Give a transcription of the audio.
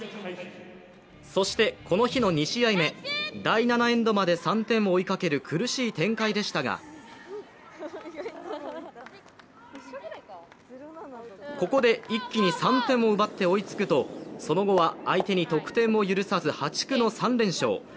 そして、この日の２試合目、第７エンドまで３点を追いかける苦しい展開でしたがここで一気に３点を奪って追いつくと、その後は、相手に得点を許さず破竹の３連勝。